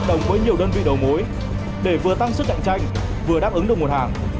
chỉ có điều chỉnh được những điều bất hợp lý này